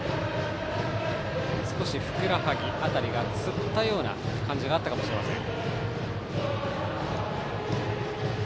少しふくらはぎ辺りがつったような感じがあったかもしれません。